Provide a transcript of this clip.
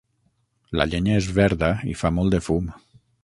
La llenya és verda i fa molt de fum.